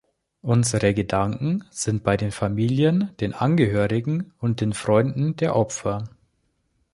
Unsere Gedanken sind bei den Familien, den Angehörigen und den Freunden der Opfer.